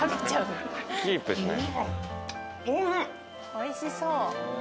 おいしそう。